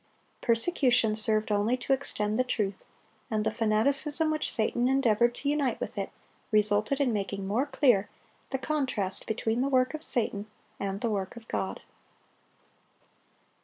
Persecution served only to extend the truth; and the fanaticism which Satan endeavored to unite with it, resulted in making more clear the contrast between the work of Satan and the work of God.